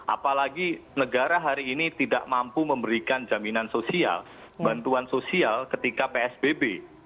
apalagi negara hari ini tidak mampu memberikan jaminan sosial bantuan sosial ketika psbb